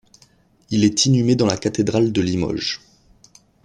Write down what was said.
Il est inhumé dans la cathédrale de Limoges.